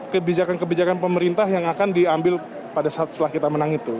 kebijakan kebijakan pemerintah yang akan diambil pada saat setelah kita menang itu